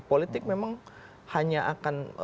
politik memang hanya akan